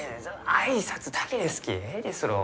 挨拶だけですきえいですろう？